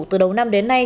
từ đầu năm đến nay